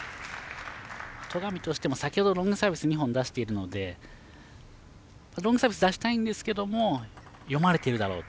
戸上としても先ほどロングサービス２本出しているのでロングサービス出したいんですが読まれているだろうと。